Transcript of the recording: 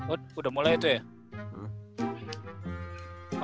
oh udah mulai itu ya